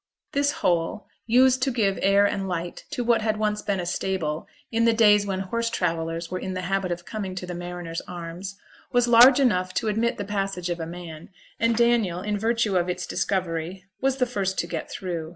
This hole, used to give air and light to what had once been a stable, in the days when horse travellers were in the habit of coming to the Mariners' Arms, was large enough to admit the passage of a man; and Daniel, in virtue of its discovery, was the first to get through.